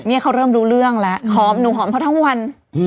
นี่เขาเริ่มรู้เรื่องแล้วหอมหนูหอมเขาทั้งวัน